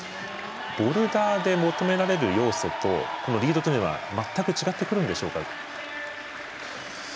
ボルダーで求められる要素とリードというのは全く違ってくるんでしょうか？